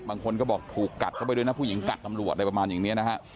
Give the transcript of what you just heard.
บางคนก็บอกถูกกัดเข้าไปด้วยนะผู้หญิงกัดตำรวจอะไรประมาณอย่างนี้นะฮะ